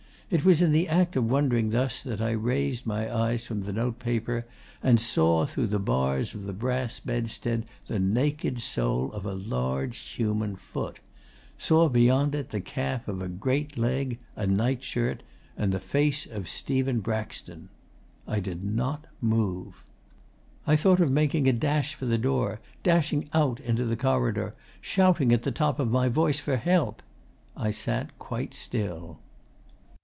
It was in the act of wondering thus that I raised my eyes from the note paper and saw, through the bars of the brass bedstead, the naked sole of a large human foot saw beyond it the calf of a great leg; a nightshirt; and the face of Stephen Braxton. I did not move. 'I thought of making a dash for the door, dashing out into the corridor, shouting at the top of my voice for help. I sat quite still.